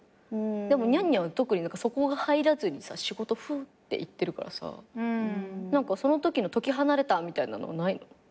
でもにゃんにゃんは特にそこが入らずにさ仕事フーッっていってるからさ何かそのときの解き放れたみたいなのはないの？